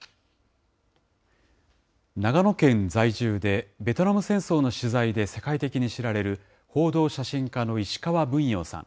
長野県在住でベトナム戦争の取材で世界的に知られる、報道写真家の石川文洋さん。